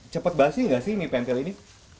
cepat basi enggak sih mie pentil ini